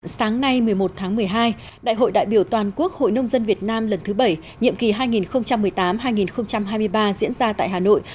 sáng nay một mươi một tháng một mươi hai đại hội đại biểu toàn quốc hội nông dân việt nam lần thứ bảy nhiệm kỳ hai nghìn một mươi tám hai nghìn hai mươi ba diễn ra tại hà nội